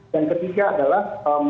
dan ketiga adalah